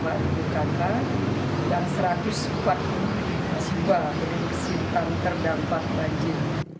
wah berikut sintang terdampak banjir